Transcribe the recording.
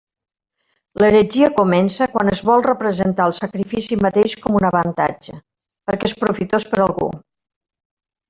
L'heretgia comença quan es vol representar el sacrifici mateix com un avantatge, perquè és profitós per a algú.